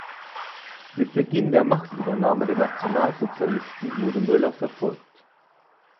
Mit Beginn der Machtübernahme der Nationalsozialisten wurde Möller verfolgt.